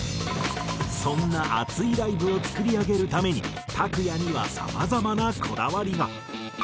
そんなアツいライブを作り上げるためにＴＡＫＵＹＡ∞には様々なこだわりが。